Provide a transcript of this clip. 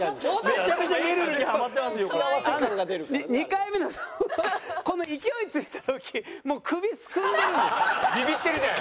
２回目のこの勢いついた時もう首すくんでるんです。